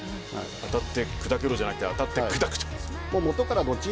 当たって砕けろじゃなくて当たって砕くと。